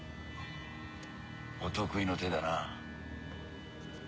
お得意の手だな。